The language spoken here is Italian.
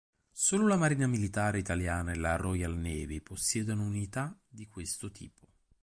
Solo la Marina Militare italiana e la Royal Navy possiedono unità di questo tipo..